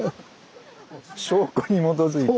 証拠に基づいて。